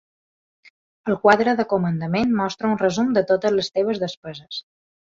El quadre de comandament mostra un resum de totes les teves despeses.